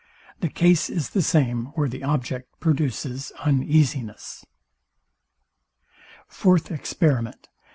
The case is the same where the object produces uneasiness. Fourth Experiment.